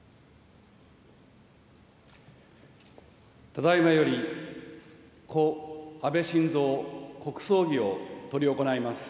ただいまより故安倍晋三国葬儀を執り行います。